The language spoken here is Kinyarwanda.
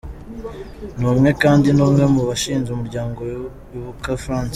Ni umwe kandi Ni umwe mu bashinze umuryango Ibuka-France.